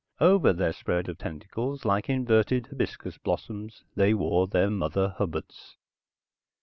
Over their spread of tentacles, like inverted hibiscus blossoms, they wore their mother hubbards.